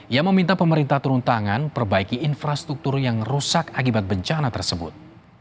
ia meminta pemerintah turun tangan perbaiki infrastruktur yang rusak akibat bencana tersebut